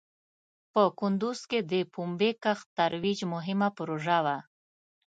په کندوز کې د پومبې کښت ترویج مهم پروژه وه.